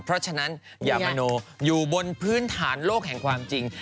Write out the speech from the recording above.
เพราะฉะนั้นอย่ามโนอยู่บนพื้นฐานโลกแห่งความจริง